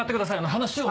話を。